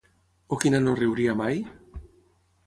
O quina no riuria mai?